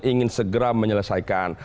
yang ingin segera menyelesaikan